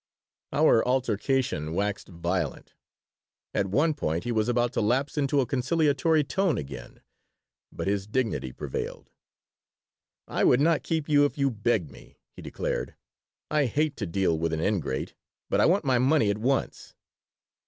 Our altercation waxed violent. At one point he was about to lapse into a conciliatory tone again, but his dignity prevailed "I would not keep you if you begged me," he declared. "I hate to deal with an ingrate. But I want my money at once."